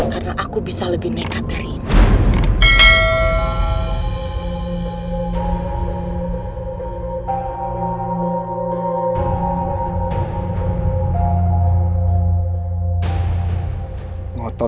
karena aku bisa lebih nekat dari ini